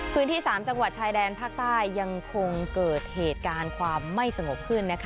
พื้นที่๓จังหวัดชายแดนภาคใต้ยังคงเกิดเหตุการณ์ความไม่สงบขึ้น